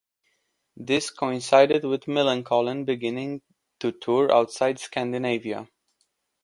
This coincided with Millencolin beginning to tour outside of Scandinavia.